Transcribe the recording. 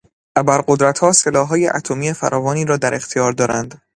ابرقدرتها سلاحهای اتمی فراوانی را در اختیار دارند.